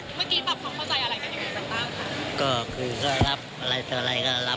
เมื่อกี้ปรับของเข้าใจอะไรกันอย่างไรบ้างครับ